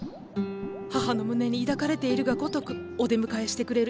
母の胸に抱かれているがごとくお出迎えしてくれる癒やしの玄関。